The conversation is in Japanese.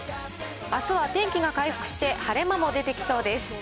あすは天気が回復して晴れ間も出てきそうです。